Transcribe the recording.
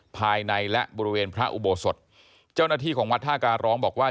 ภายในและบริเวณพระอุโบสถเจ้าหน้าที่ของวัดท่าการร้องบอกว่า